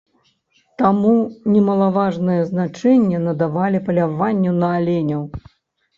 Таму немалаважнае значэнне надавалі паляванню на аленяў.